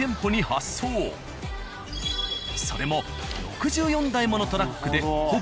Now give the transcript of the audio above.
それも６４台ものトラックでほぼ毎日。